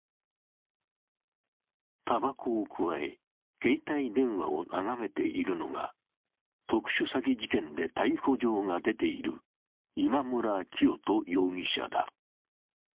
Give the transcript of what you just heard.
たばこをくわえ、携帯電話を眺めているのが特殊詐欺事件で逮捕状が出ている今村磨人容疑者だ。